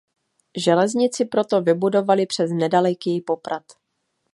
Železnici proto vybudovali přes nedaleký Poprad.